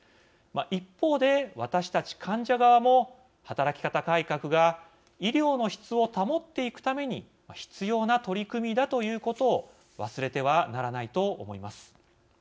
一方で、私たち患者側も働き方改革が医療の質を保っていくために必要な取り組みだということを忘れてはならないと思います。